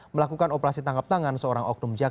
melakukan operasi tangkap tangan